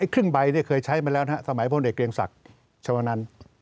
ครึ่งใบเคยใช้มาแล้วสมัยพลเกียงศักดิ์ชะวันนั้น